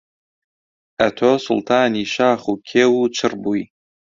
ئەتۆ سوڵتانی شاخ و کێو و چڕ بووی